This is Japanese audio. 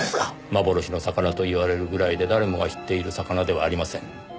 幻の魚といわれるぐらいで誰もが知っている魚ではありません。